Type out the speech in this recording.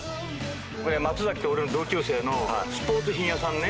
これ同級生のスポーツ品屋さんね。